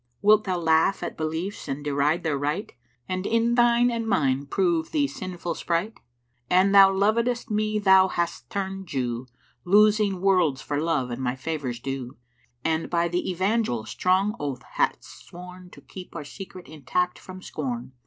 Wilt thou laugh at beliefs and deride their rite, And in thine and mine prove thee sinful sprite? An thou lovedest me thou hadst turnčd Jew, Losing worlds for love and my favours due; And by the Evangel strong oath hadst sworn To keep our secret intact from scorn!'